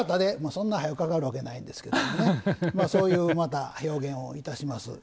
そんな、はよかかるわけないんですがそういう表現をいたします。